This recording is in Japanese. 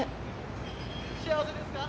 ・「幸せですか？」